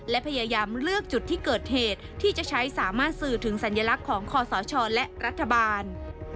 และพยายามเลือกจุดที่เกิดเหตุที่จะใช้สามารถสื่อถึงสัญลักษณ์ของคอสชและรัฐบาล